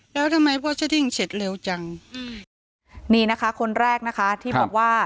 แล้วทำไมพ่อชะดิ้งเสร็จเร็วจังอืมนี่นะคะคนแรกนะคะที่บอกว่า